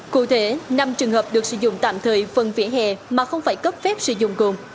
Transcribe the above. cụ thể năm trường hợp được sử dụng tạm thời phần vỉa hè mà không phải cấp phép sử dụng gồm